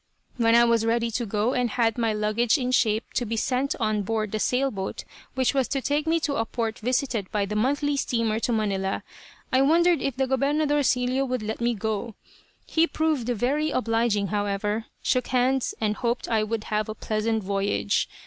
When I was ready to go, and had my luggage in shape to be sent on board the sail boat which was to take me to a port visited by the monthly steamer to Manila, I wondered if the "Gobernadorcillo" would let me go. He proved very obliging, however, shook hands, and hoped I would have a pleasant voyage.